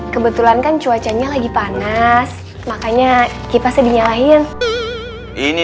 kebetulan kan cuacanya lagi panas makanya kipas dinyalain ini